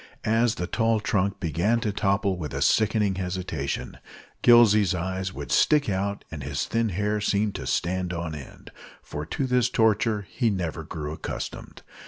As the tall trunk began to topple with a sickening hesitation, Gillsey's eyes would stick out and his thin hair seem to stand on end, for to this torture he never grew accustomed.